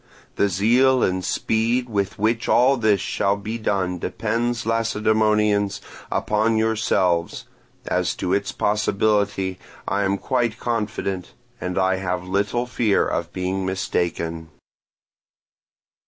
The zeal and speed with which all this shall be done depends, Lacedaemonians, upon yourselves; as to its possibility, I am quite confident, and I have little fear of being mistaken.